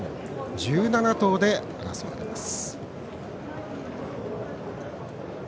１７頭で争われます。